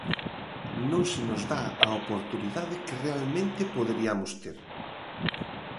Non se nos dá a oportunidade que realmente poderiamos ter.